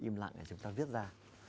im lặng để chúng ta viết ra